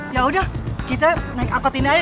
yaudah kita naik angkot ini aja